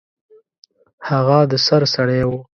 هغه د سر سړی و.